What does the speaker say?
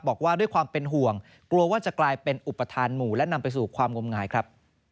บอกว่าด้วยความเป็นห่วงกลัวว่าจะกลายเป็นอุปทานหมู่และนำไปสู่ความงมงายครับ